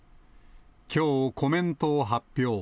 きょう、コメントを発表。